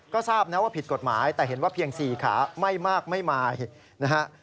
ก็ทราบนะว่าผิดกฎหมายแต่เห็นว่าเพียง๔ขาไม่มากไม่มายนะฮะ